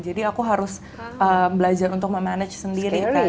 jadi aku harus belajar untuk memanage sendiri